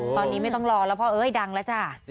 ตอนนี้ไม่ต้องรอแล้วพ่อเอ้ยดังแล้วจ้ะ